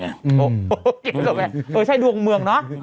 อ๋อเออใช่ดวกเมืองนะ